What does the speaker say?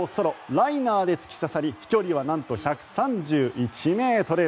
ライナーで突き刺さり飛距離はなんと１３１ｍ。